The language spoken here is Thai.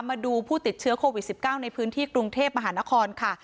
มาดูผู้ติดเชื้อโควิด๑๙ในพื้นที่กรุงเทพมหานครค่ะ